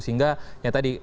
sehingga ya tadi